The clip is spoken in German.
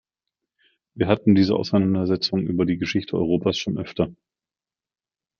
Wir hatten diese Auseinandersetzung über die Geschichte Europas schon öfter.